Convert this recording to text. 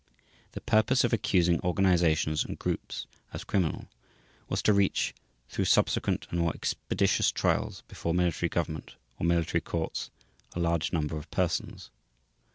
The purpose of accusing organizations and groups as criminal was to reach, through subsequent and more expeditious trials before Military Government or military courts, a large number of persons.